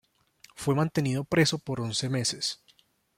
Fue mantenido preso por once meses.